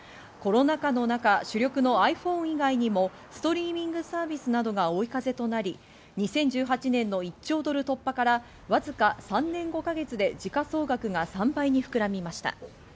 コロナ禍の中、主力のｉＰｈｏｎｅ以外にもストリーミングサービスなどが追い風となり、２０１８年の１兆ドル突破からわずか３年５か月で時価総額が３倍に膨らみました。